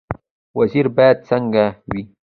وزیر باید څنګه وي؟